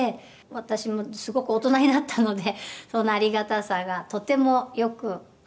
「私もすごく大人になったのでそのありがたさがとてもよくわかります」